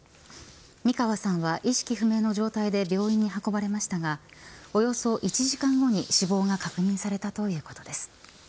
三川さんは意識不明の状態で病院に運ばれましたがおよそ１時間後に死亡が確認されたということです。